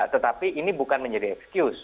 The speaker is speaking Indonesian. tetapi ini bukan menjadi excuse